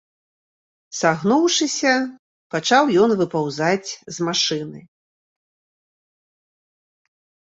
Сагнуўшыся, пачаў ён выпаўзаць з машыны.